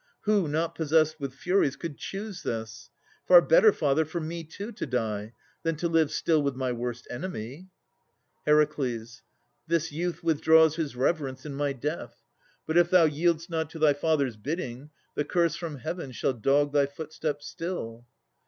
Who, not possessed with furies, could choose this? Far better, father, for me too to die, Than to live still with my worst enemy. HER. This youth withdraws his reverence in my death. But, if thou yield'st not to thy father's best, The curse from Heaven shall dog thy footsteps still.